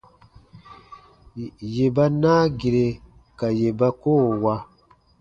Yè ba naa gire ka yè ba koo wa.